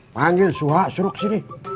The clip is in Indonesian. panggil suha suruh kesini